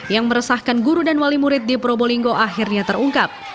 yang meresahkan guru dan wali murid di probolinggo akhirnya terungkap